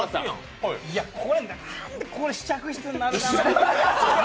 なんでこれが試着室になるかな。